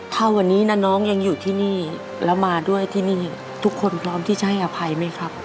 ถ้าวันนี้นะน้องยังอยู่ที่นี่แล้วมาด้วยที่นี่ทุกคนพร้อมที่จะให้อภัยไหมครับ